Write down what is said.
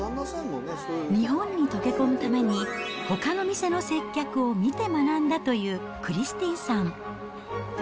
日本に溶け込むために、ほかの店の接客を見て学んだというクリスティンさん。